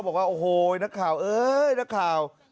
บอกว่าโอ้โหนักข่าวเอ้ยนักข่าว